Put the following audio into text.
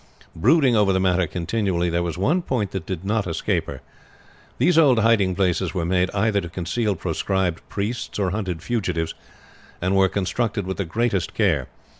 Brooding over the matter continually, there was one point that did not escape her. These old hiding places were made either to conceal proscribed priests or hunted fugitives, and were constructed with the greatest care.